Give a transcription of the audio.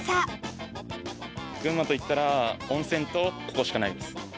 群馬といったら温泉とここしかないです。